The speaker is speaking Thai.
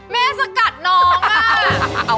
แม่สกัดน้องอ่ะ